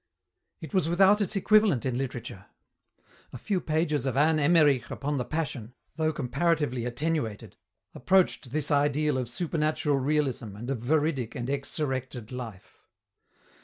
It was without its equivalent in literature. A few pages of Anne Emmerich upon the Passion, though comparatively attenuated, approached this ideal of supernatural realism and of veridic and exsurrected life.